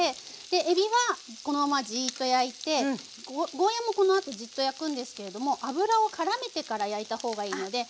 えびはこのままじっと焼いてゴーヤーもこのあとじっと焼くんですけれども油をからめてから焼いたほうがいいので。